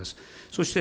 そして、